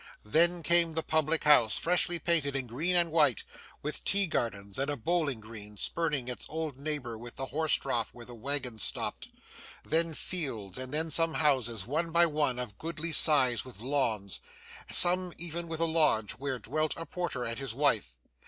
Then came the public house, freshly painted in green and white, with tea gardens and a bowling green, spurning its old neighbour with the horse trough where the waggons stopped; then, fields; and then, some houses, one by one, of goodly size with lawns, some even with a lodge where dwelt a porter and his wife.